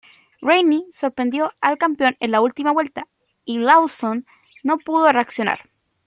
Rainey sorprendió al campeón en la última vuelta y Lawson no pudo reaccionar.